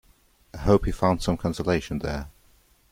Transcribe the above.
I hope he found some consolation there.